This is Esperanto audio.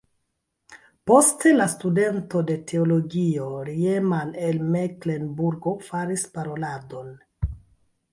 Poste la studento de teologio Riemann el Meklenburgo faris paroladon.